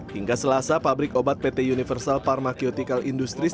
hingga selasa pabrik obat pt universal pharmaceutical industries